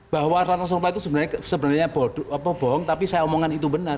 bahwa ratna sorumpait itu sebenarnya bohong tapi saya omongan itu benar